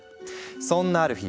そんなある日。